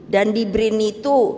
dan di brin itu